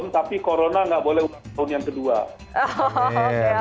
tapi corona nggak boleh ulang tahun yang kedua